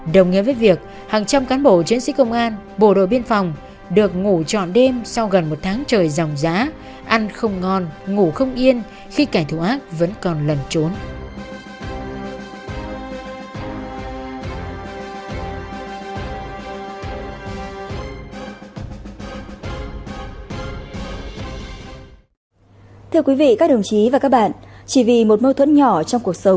đồng nghĩa với việc hàng trăm cán bộ chiến sĩ công an bộ đội biên phòng được ngủ trọn đêm sau gần một tháng trời dòng giá ăn không ngon ngủ không yên khi kẻ thù ác vẫn còn lần trốn